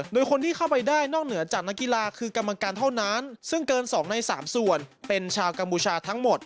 โดยคนที่เข้าไปได้นอกเหนือจากนักกีฬาคือกรรมการเท่านั้นซึ่งเกิน๒ใน๓ส่วนเป็นชาวกัมพูชาทั้งหมด